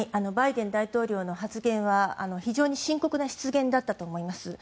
バイデン大統領の発言は非常に深刻な失言だったと思います。